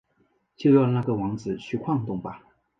就让那个王子去晃动吧！